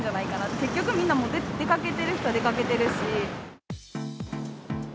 結局みんな、もう出かけてる人は出かけてるし。